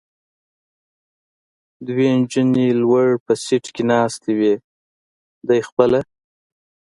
دوه نجونې لوړ په سېټ کې ناستې وې، دی خپله.